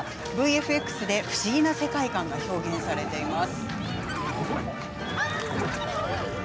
ＶＦＸで不思議な世界観が表現されています。